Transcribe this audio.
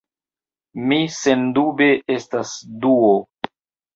Mi sendube estas Duo!